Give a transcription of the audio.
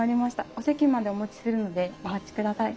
お席までお持ちするのでお待ちください。